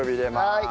はい。